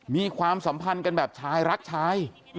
มีความสัมพันธ์กันแบบชายรักชาย